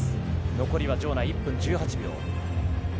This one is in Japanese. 残りは場内１分１８秒。